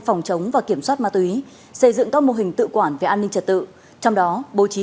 phòng chống và kiểm soát ma túy xây dựng các mô hình tự quản về an ninh trật tự trong đó bố trí